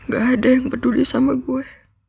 gak ada yang peduli sama gue